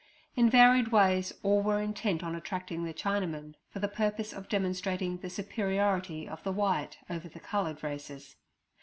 In varied ways all were intent on attracting the Chinamen, for the purpose of demonstrating the superiority of the white over the coloured races.